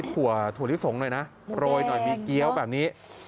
น่าทานมากเลยดูซิ